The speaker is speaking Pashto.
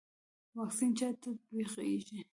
واکسین چا ته تطبیقیږي؟